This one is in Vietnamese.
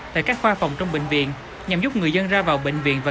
tại các khoa phòng trong bệnh viện nhằm giúp người dân ra vào bệnh viện và